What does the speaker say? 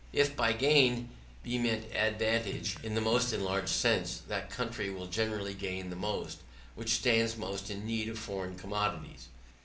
If by gain be meant advantage, in the most enlarged sense, that country will generally gain the most, which stands most in need of foreign commodities.